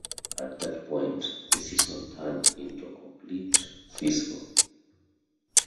At that point, the season turned into a complete fiasco.